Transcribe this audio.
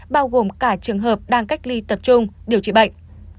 bao gồm cả trường hợp đang cách ly tập trung điều trị bệnh